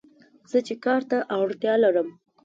زه چې کار ته اړتیا لرم